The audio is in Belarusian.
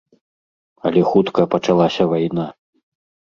Але хутка пачалася вайна.